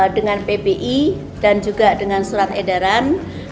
dengan pbi dan juga dengan surat edaran